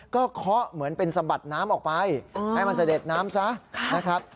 ก็เคาะเหมือนเป็นสะบัดน้ำออกไปให้มันเสด็จน้ำซะนะครับ